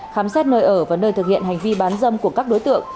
khám xét nơi ở và nơi thực hiện hành vi bán dâm của các đối tượng